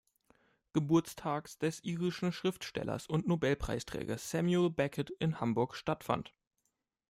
Geburtstags des irischen Schriftstellers und Nobelpreisträgers Samuel Beckett in Hamburg stattfand.